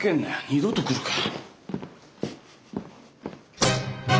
二度と来るか。